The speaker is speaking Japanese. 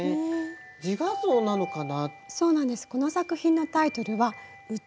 自画像なのかな。